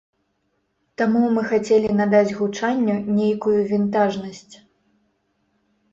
Таму мы хацелі надаць гучанню нейкую вінтажнасць.